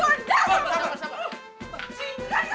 cingkat ya mas jangan cingkat ya